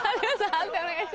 判定お願いします。